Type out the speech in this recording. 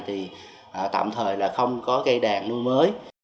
thì tạm thời là không có cây đàn nuôi mới